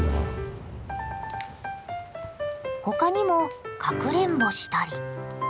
ほかにもかくれんぼしたり。